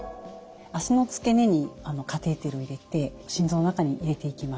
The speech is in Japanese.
脚の付け根にカテーテルを入れて心臓の中に入れていきます。